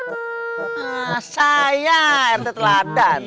ah saya rt teladan